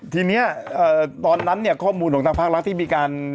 ทีนี้ตอนนั้นเนี่ยข้อมูลของทางภาครัฐที่มีการ